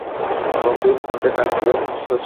গম্ভীর কণ্ঠে ডাক দিলেন, শচীশ!